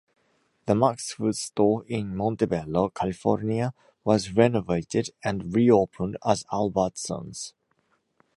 The Max Foods store in Montebello, California, was renovated and re-opened as Albertsons.